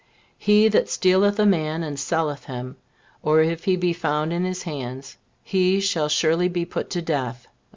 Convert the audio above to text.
"He that stealeth a man and selleth him, or if he be found in his hands, he shall surely be put to death."